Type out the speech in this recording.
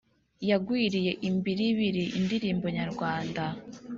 Yagwiriye imbiribiri indirimbo nyarwanda